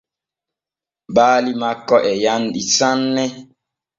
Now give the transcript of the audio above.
Baali makko e yanɗi sane.